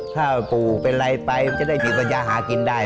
ถ้าปู่เป็นอะไรไปมันจะได้มีปัญญาหากินได้